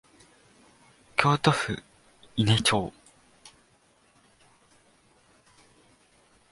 京都府伊根町